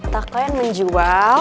toko yang menjual